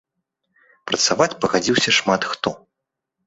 Працаваць пагадзіўся шмат хто.